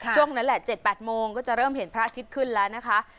ช่วงนั้นแหละ๗๘โมงก็จะเริ่มเห็นพระอาทิตย์ขึ้นแล้วนะคะ